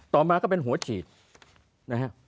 ต่อมาก็เป็นหัวฉีดนะฮะ